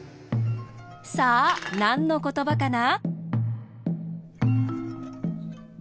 さあなんのことばかな？